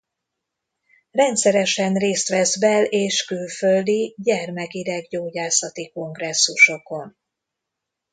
Rendszeresen részt vesz bel- és külföldi gyermek-ideggyógyászati kongresszusokon.